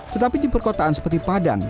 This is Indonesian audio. tetapi di perkotaan seperti padang